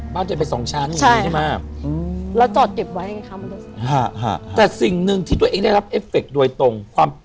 ไม่ใช่ค่ะใต้ถุนบ้านเลยค่ะ